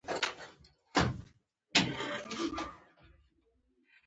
د ملک صاحب دوه زامن اروپا ته لاړل.